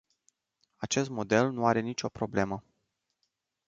Acest model nu are nicio problemă.